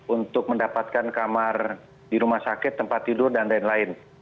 untuk mendapatkan kamar di rumah sakit tempat tidur dan lain lain